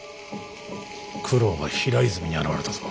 九郎が平泉に現れたぞ。